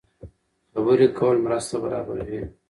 خبرې کول مرسته برابروي.